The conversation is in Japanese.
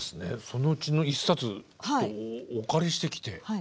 そのうちの１冊お借りしてきて。